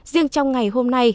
riêng trong ngày hôm nay